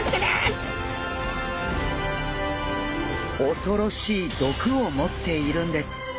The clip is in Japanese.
恐ろしい毒を持っているんです。